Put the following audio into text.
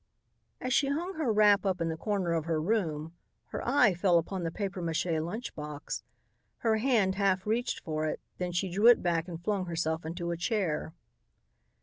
As she hung her wrap in the corner of her room, her eye fell upon the papier mache lunch box. Her hand half reached for it, then she drew it back and flung herself into a chair.